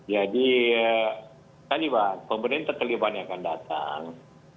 jadi taliban pemerintah taliban yang akan datang